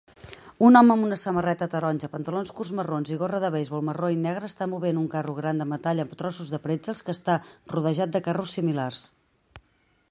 Un home amb un samarreta taronja, pantalons curts marrons i gorra de beisbol marró i negra està movent un carro gran de metall amb trossos de pretzels que està rodejat de carros similars